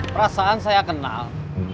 perasaan saya kenal